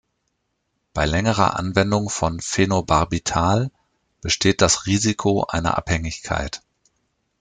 Bei längerer Anwendung von Phenobarbital besteht das Risiko einer Abhängigkeit.